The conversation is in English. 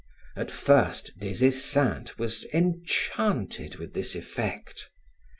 At first Des Esseintes was enchanted with this effect.